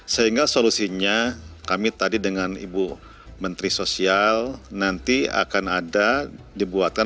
sehingga solusinya kami tadi dengan ibu menteri sosial nanti akan ada dibuatkan